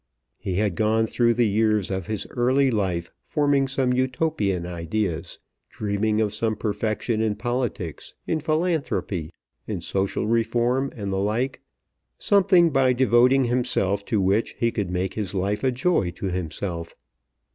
He had gone through the years of his early life forming some Utopian ideas, dreaming of some perfection in politics, in philanthropy, in social reform, and the like, something by devoting himself to which he could make his life a joy to himself.